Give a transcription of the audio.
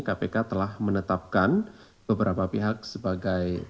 kpk telah menetapkan beberapa pihak sebagai